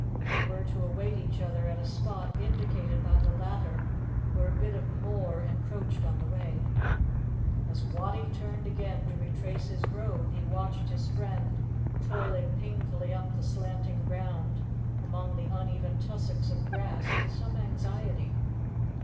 They were to await each other at a spot indicated by the latter, where a bit of moor encroached on the way. As Wattie turned again to retrace his road, he watched his friend toiling painfully up the slanting ground among the uneven tussocks of grass with some anxiety.